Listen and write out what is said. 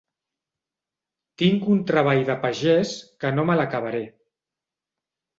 Tinc un treball de pagès que no me l'acabaré.